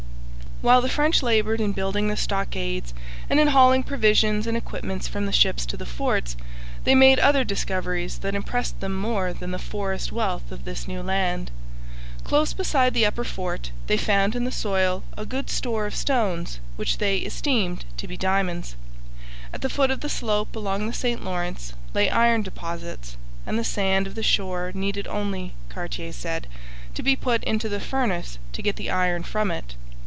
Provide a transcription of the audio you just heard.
While the French laboured in building the stockades and in hauling provisions and equipments from the ships to the forts, they made other discoveries that impressed them more than the forest wealth of this new land. Close beside the upper fort they found in the soil a good store of stones which they 'esteemed to be diamonds.' At the foot of the slope along the St Lawrence lay iron deposits, and the sand of the shore needed only, Cartier said, to be put into the furnace to get the iron from it.